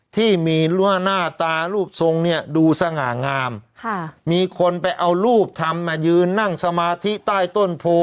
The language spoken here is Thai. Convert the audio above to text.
ที่มีหน้าตารูปทรงดูสง่างามมีคนไปเอารูปทำมายืนนั่งสมาธิใต้ต้นโพ